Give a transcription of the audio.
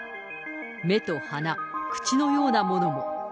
目と鼻、口のようなものも。